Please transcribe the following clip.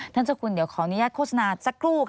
เจ้าคุณเดี๋ยวขออนุญาตโฆษณาสักครู่ค่ะ